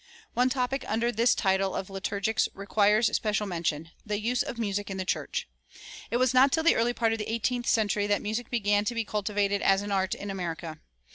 One topic under this title of Liturgics requires special mention the use of music in the church. It was not till the early part of the eighteenth century that music began to be cultivated as an art in America.